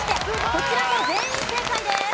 こちらも全員正解です。